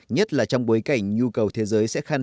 nhất là trong bối cảnh nhu cầu thế giới sẽ khăn